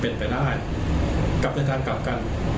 เป็นไปหน้าไห้กลับกลางกลับกล